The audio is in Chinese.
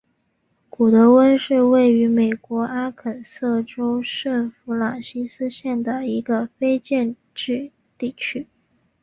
古得温是位于美国阿肯色州圣弗朗西斯县的一个非建制地区。